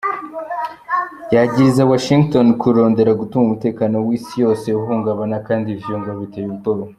Yagiriza Washington kurondera gutuma umutekano w'isi yose uhungabana, kandi ivyo ngo "biteye ubwoba".